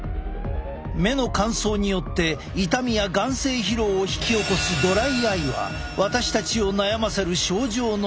目の乾燥によって痛みや眼精疲労を引き起こすドライアイは私たちを悩ませる症状の一つ。